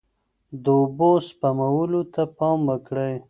د اوبو سپمولو ته پام وکړئ.